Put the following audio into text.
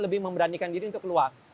lebih memberanikan diri untuk keluar